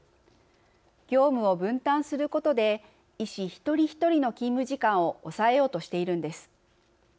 業務を分担することで医師一人一人の勤務時間を抑えようとしているんです。